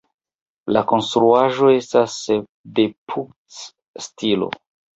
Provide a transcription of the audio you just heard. La konstruaĵoj estas de Puuc-stilo.